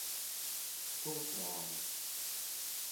Como os traballas?